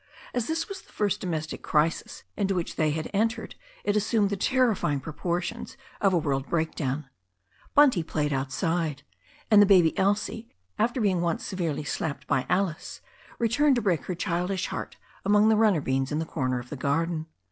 As this was the first domestic crisis into which they had entered it assumed the terrifying proportions of a world break down. Bunty played outside, and the baby, Elsie, after being once severely slapped by Alice, retired to break her childish heart among the runner beans in a corner of the garden.